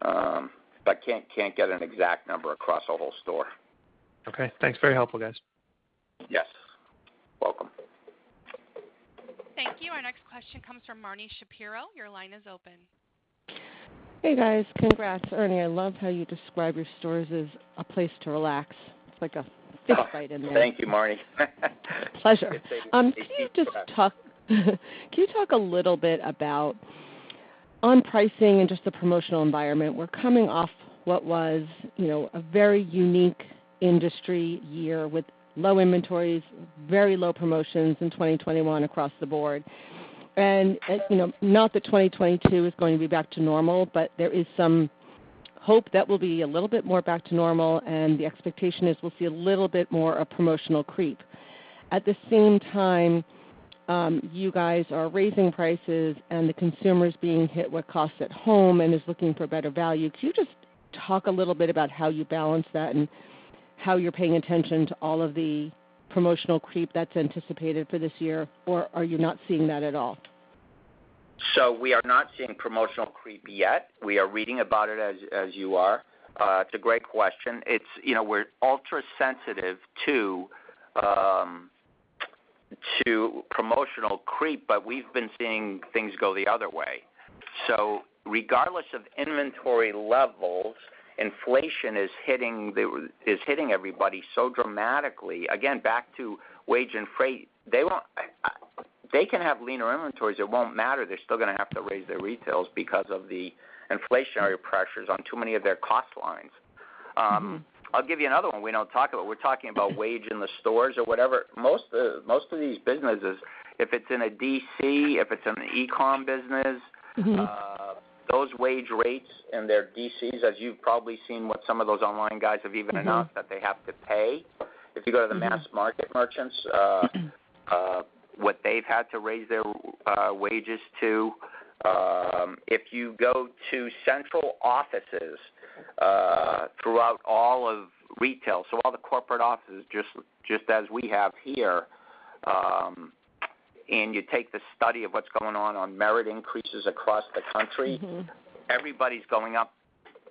but can't get an exact number across the whole store. Okay. Thanks. Very helpful, guys. Yes. Welcome. Thank you. Our next question comes from Marni Shapiro. Your line is open. Hey, guys. Congrats. Ernie, I love how you describe your stores as a place to relax. It's like a spa in there. Thank you, Marni. Pleasure. It's a good thing to see. Can you talk a little bit about pricing and just the promotional environment? We're coming off what was, you know, a very unique industry year with low inventories, very low promotions in 2021 across the board. You know, not that 2022 is going to be back to normal, but there is some hope that we'll be a little bit more back to normal, and the expectation is we'll see a little bit more promotional creep. At the same time, you guys are raising prices and the consumer's being hit with costs at home and is looking for better value. Could you just talk a little bit about how you balance that and how you're paying attention to all of the promotional creep that's anticipated for this year? Or are you not seeing that at all? We are not seeing promotional creep yet. We are reading about it as you are. It's a great question. You know, we're ultra-sensitive to promotional creep, but we've been seeing things go the other way. Regardless of inventory levels, inflation is hitting everybody so dramatically. Again, back to wage and freight, they can have leaner inventories, it won't matter, they're still gonna have to raise their retails because of the inflationary pressures on too many of their cost lines. I'll give you another one we don't talk about. We're talking about wage in the stores or whatever. Most of these businesses, if it's in a DC, if it's in the e-com business- those wage rates in their DCs, as you've probably seen what some of those online guys have even announced that they have to pay. If you go to the mass market merchants, what they've had to raise their wages to. If you go to central offices, throughout all of retail, so all the corporate offices, just as we have here, and you take the study of what's going on merit increases across the country. Everybody's going up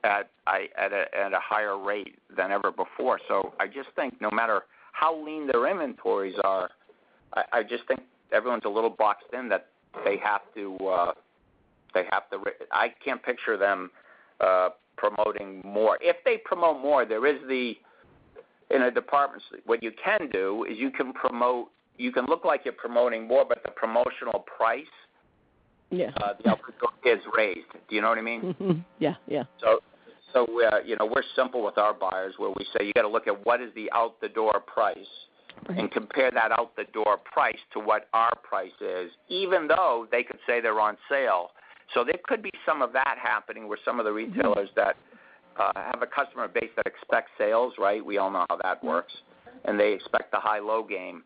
at a higher rate than ever before. I just think no matter how lean their inventories are, I just think everyone's a little boxed in that they have to. I can't picture them promoting more. If they promote more, there is. What you can do is you can promote. You can look like you're promoting more, but the promotional price- Yeah the output is raised. Do you know what I mean? Yeah, yeah. We're, you know, simple with our buyers where we say you gotta look at what is the out the door price- Right Compare that out the door price to what our price is, even though they could say they're on sale. There could be some of that happening where some of the retailers that have a customer base that expects sales, right? We all know how that works. They expect the high low game.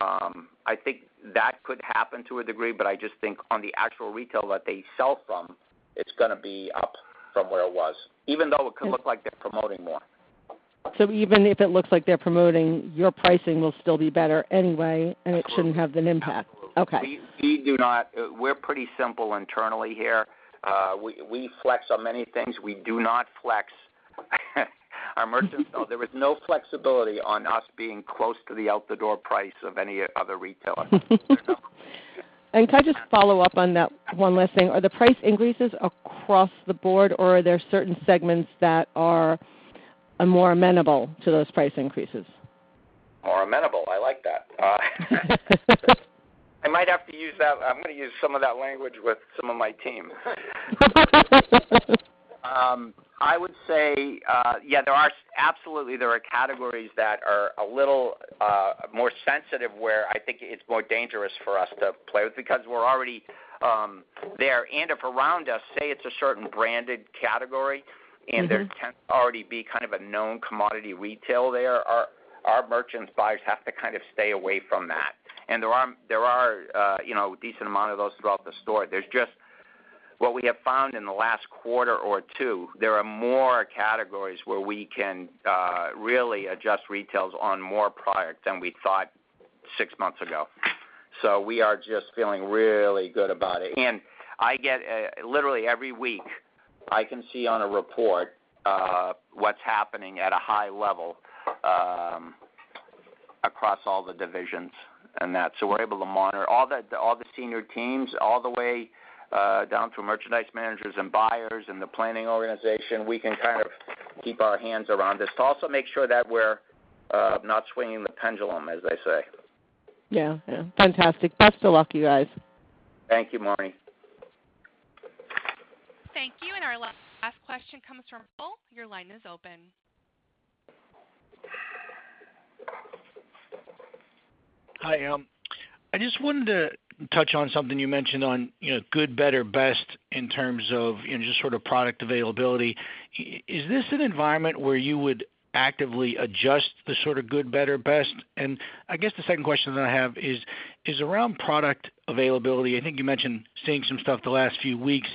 I think that could happen to a degree, but I just think on the actual retail that they sell from, it's gonna be up from where it was, even though it could look like they're promoting more. Even if it looks like they're promoting, your pricing will still be better anyway, and it shouldn't have an impact. Absolutely. Okay. We're pretty simple internally here. We flex on many things. We do not flex our merchants. No, there is no flexibility on us being close to the out the door price of any other retailer. Can I just follow up on that one last thing? Are the price increases across the board, or are there certain segments that are more amenable to those price increases? More amenable. I like that. I might have to use that. I'm gonna use some of that language with some of my team. I would say yeah, absolutely, there are categories that are a little more sensitive, where I think it's more dangerous for us to play with because we're already there. If around us, say, it's a certain branded category. There can already be kind of a known commodity retail there, our merchants buyers have to kind of stay away from that. There are, you know, decent amount of those throughout the store. There's just what we have found in the last quarter or two, there are more categories where we can really adjust retails on more products than we thought six months ago. We are just feeling really good about it. I get literally every week, I can see on a report what's happening at a high level across all the divisions and that. We're able to monitor all the senior teams all the way down to merchandise managers and buyers in the planning organization. We can kind of keep our hands around this to also make sure that we're not swinging the pendulum, as they say. Yeah, yeah. Fantastic. Best of luck, you guys. Thank you, Marni Shapiro. Thank you. Our last question comes from Bob. Your line is open. Hi, I just wanted to touch on something you mentioned on, you know, good, better, best in terms of, you know, just sort of product availability. Is this an environment where you would actively adjust the sort of good, better, best? I guess the second question that I have is around product availability. I think you mentioned seeing some stuff the last few weeks.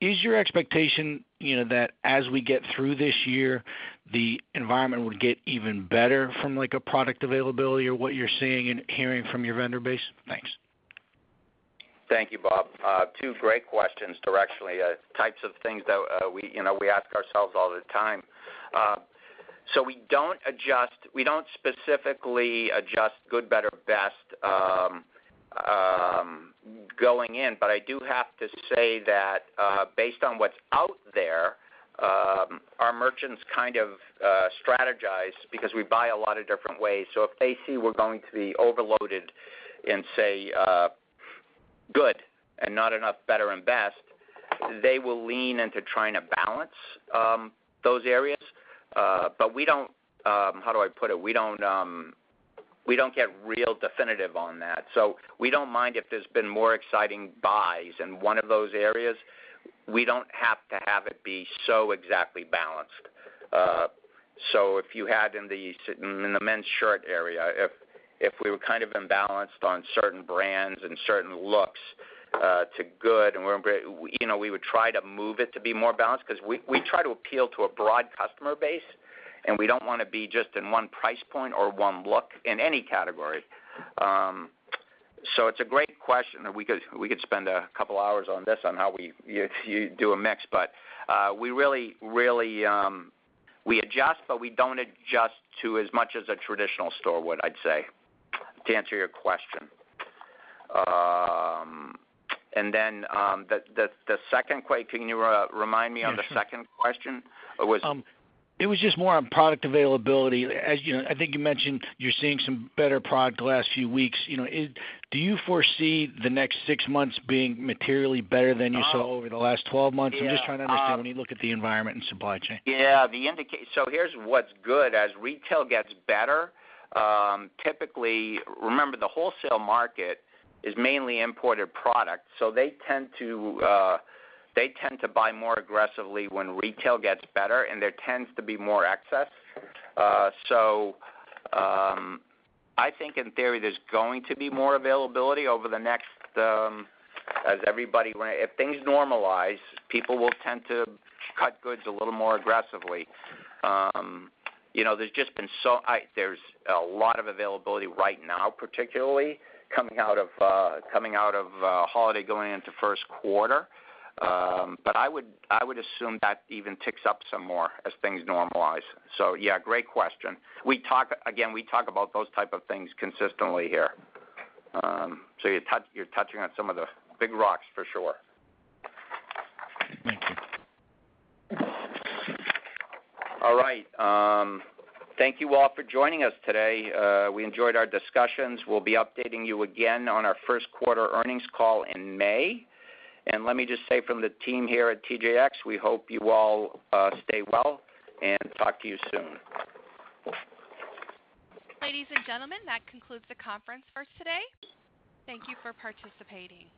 Is your expectation, you know, that as we get through this year, the environment would get even better from, like, a product availability or what you're seeing and hearing from your vendor base? Thanks. Thank you, Bob. Two great questions directionally. Types of things that we, you know, we ask ourselves all the time. We don't specifically adjust good, better, best going in, but I do have to say that, based on what's out there, our merchants kind of strategize because we buy a lot of different ways. If they see we're going to be overloaded in, say, good and not enough better and best, they will lean into trying to balance those areas. But we don't, how do I put it? We don't get real definitive on that. We don't mind if there's been more exciting buys in one of those areas. We don't have to have it be so exactly balanced. If you had in the men's shirt area, if we were kind of imbalanced on certain brands and certain looks, too good, and you know, we would try to move it to be more balanced because we try to appeal to a broad customer base, and we don't wanna be just in one price point or one look in any category. It's a great question, and we could spend a couple of hours on this, on how we do a mix. We really adjust, but we don't adjust to as much as a traditional store would, I'd say, to answer your question. Then the second question—can you remind me on the second question? Or was Sure. It was just more on product availability. As you know, I think you mentioned you're seeing some better product the last few weeks. You know, do you foresee the next six months being materially better than you saw over the last twelve months? Yeah. I'm just trying to understand when you look at the environment and supply chain. Yeah. Here's what's good. As retail gets better, typically, remember, the wholesale market is mainly imported product, so they tend to buy more aggressively when retail gets better, and there tends to be more excess. I think in theory there's going to be more availability over the next, as everybody, if things normalize, people will tend to cut goods a little more aggressively. You know, there's a lot of availability right now, particularly coming out of holiday going into first quarter. I would assume that even ticks up some more as things normalize. Yeah, great question. We talk again about those type of things consistently here. You're touching on some of the big rocks for sure. Thank you. All right. Thank you all for joining us today. We enjoyed our discussions. We'll be updating you again on our first quarter earnings call in May. Let me just say from the team here at TJX, we hope you all stay well and talk to you soon. Ladies and gentlemen, that concludes the conference for today. Thank you for participating.